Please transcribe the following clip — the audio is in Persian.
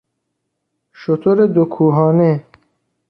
شتر دو کوهانه